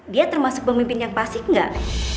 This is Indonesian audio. dia termasuk pemimpin yang fasik gak